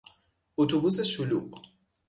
اتوبوس شلوغ